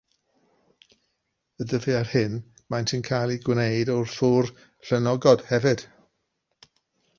Y dyddiau hyn maent yn cael eu gwneud o ffwr llwynogod hefyd.